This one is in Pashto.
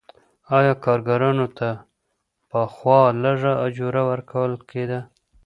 آیا کارګرانو ته پخوا لږه اجوره ورکول کیده؟